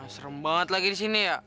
serem banget lagi di sini ya